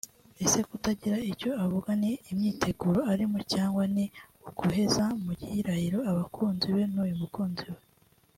Ese kutagira icyo avuga ni imyiteguro arimo cyangwa ni uguheza mu gihirahiro abakunzi be n’uyu mukunzi we